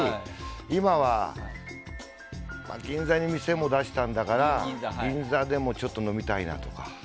今は、銀座に店も出したんだから銀座でも飲みたいなとか。